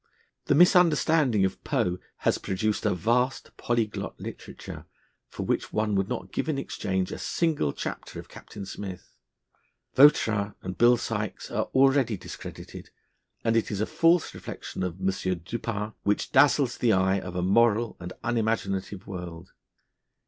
The misunderstanding of Poe has produced a vast polyglot literature, for which one would not give in exchange a single chapter of Captain Smith. Vautrin and Bill Sykes are already discredited, and it is a false reflection of M. Dupin, which dazzles the eye of a moral and unimaginative world.